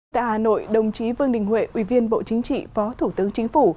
tại hà nội đồng chí vương đình huệ ủy viên bộ chính trị phó thủ tướng chính phủ